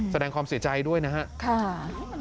แสดงความเสียใจด้วยนะครับ